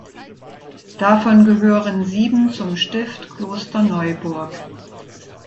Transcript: Davon gehören sieben zum Stift Klosterneuburg.